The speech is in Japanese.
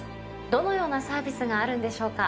どのようなサービスがあるんでしょうか？